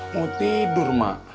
mau tidur mak